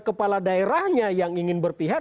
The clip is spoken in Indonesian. kepala daerahnya yang ingin berpihak